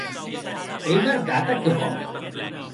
Ei vertat aquerò?